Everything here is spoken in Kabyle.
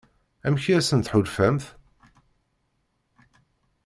Amek i asen-tḥulfamt?